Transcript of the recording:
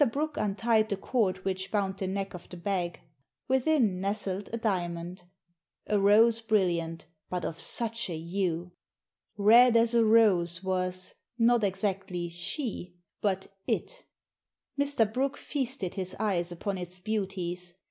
Brooke untied the cord which bound the neck of the bag. Within nestled a diamond — a rose brilliant, but of such a hue !" Red as a rose was " not exactly " she," but " it" Mr. Brooke feasted his eyes upon its beauties.